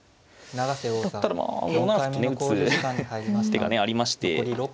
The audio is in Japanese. だったらまあ５七歩ってね打つ手がねありまして。